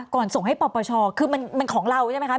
ส่งให้ปปชคือมันของเราใช่ไหมคะ